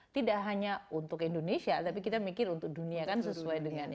tidak hanya untuk indonesia tapi kita mikir untuk dunia kan sesuai dengan